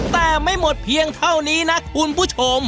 แต่ไม่หมดเพียงเท่านี้นะคุณผู้ชม